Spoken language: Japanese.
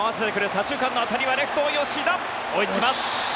左中間の当たりはレフト、吉田追いつきます。